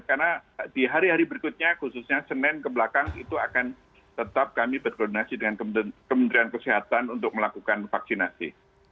karena di hari hari berikutnya khususnya senin kebelakang itu akan tetap kami berkoordinasi dengan kementerian kesehatan untuk melakukan vaksinasi